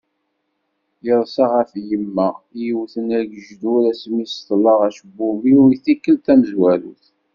Yeḍsa ɣef yemma i yewwten agejdur asmi d-ṣeṭleɣ acebbub-iw i tikkelt tamezwarut.